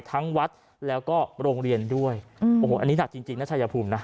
ทั้งวัดแล้วก็โรงเรียนด้วยโอ้โหอันนี้หนักจริงจริงนะชายภูมินะ